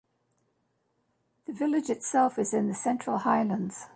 The village itself is in the central highlands.